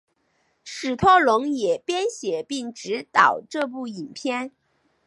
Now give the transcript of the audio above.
史特龙也编写并执导这部影片。